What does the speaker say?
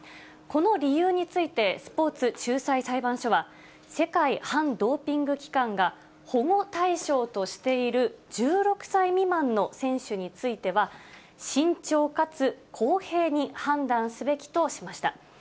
この理由について、スポーツ仲裁裁判所は、世界反ドーピング機関が保護対象としている１６歳未満の選手については、慎重かつ公平に判断すべきとしました。